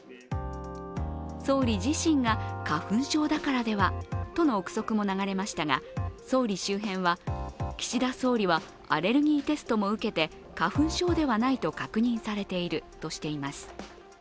総理自身が花粉症だからではとの憶測も流れましたが、総理周辺は、岸田総理はアレルギーテストも受けて花粉症ではないと確認されているとしています。